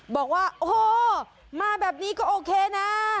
บอกว่าโอ้โหมาแบบนี้ก็โอเคนะ